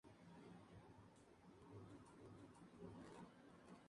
Son árboles o arbustos inermes; plantas hermafroditas.